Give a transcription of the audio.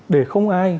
để không ai